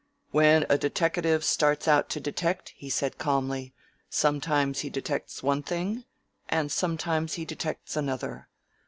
"When a deteckative starts out to detect," he said calmly, "sometimes he detects one thing and sometimes he detects another.